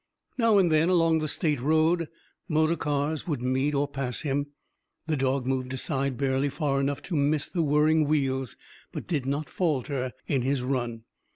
Now and then, along the state road, motor cars would meet or pass him. The dog moved aside barely far enough to miss the whirring wheels, but did not falter in his run.